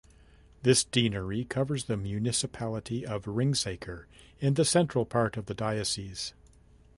This deanery covers the municipality of Ringsaker in the central part of the diocese.